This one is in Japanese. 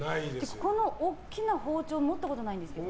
この大きな包丁持ったことないんですけど。